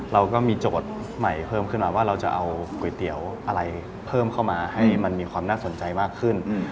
เราก็มีโจทย์ใหม่เพิ่มขึ้นมาว่าเราจะเอาก๋วยเตี๋ยวอะไรเพิ่มเข้ามาให้มันมีความน่าสนใจมากขึ้น